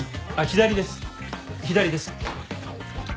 左です。